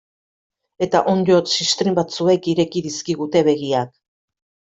Eta onddo ziztrin batzuek ireki dizkigute begiak.